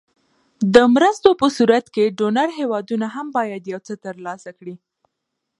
د مرستو په صورت کې ډونر هېوادونه هم باید یو څه تر لاسه کړي.